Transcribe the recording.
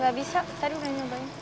gak bisa tadi udah nyobain